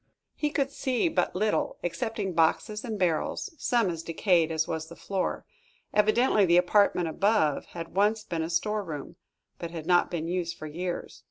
He could see but little, excepting boxes and barrels, some as decayed as was the floor. Evidently the apartment above had once been a store room, but had not been used for years.